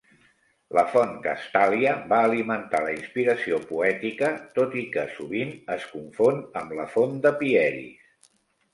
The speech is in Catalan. La font Castàlia va alimentar la inspiració poètica, tot i que sovint es confon amb la font de Pieris.